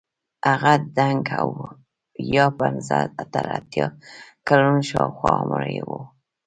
هغه دنګ او اویا پنځه تر اتیا کلونو شاوخوا عمر یې وو.